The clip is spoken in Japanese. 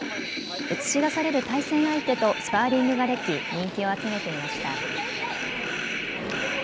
映し出される対戦相手とスパーリングができ人気を集めていました。